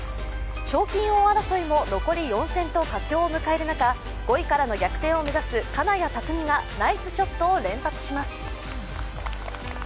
賞金王争いも残り４戦と佳境を迎える中５位からの逆転を目指す金谷拓実がナイスショットを連発します。